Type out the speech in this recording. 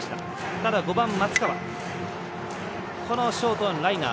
ただ、５番の松川はこのショートへのライナー。